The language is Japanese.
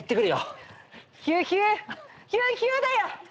ヒューヒューだよ。